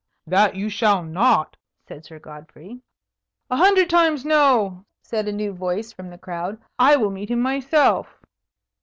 "That you shall not," said Sir Godfrey. "A hundred times no!" said a new voice from the crowd. "I will meet him myself!"